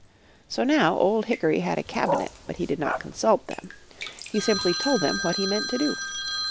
So now, Old Hickory had a Cabinet but he did not consult them. He simply told them what he meant to do.